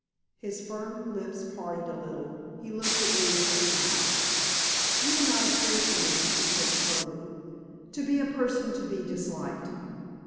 His firm lips parted a little. He looked at me with a smile. "You do not appear to me," he said, slowly, "to be a person to be disliked."